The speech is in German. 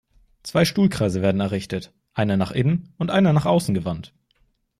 Zwei Stuhlkreise werden errichtet, einer nach innen und einer nach außen gewandt.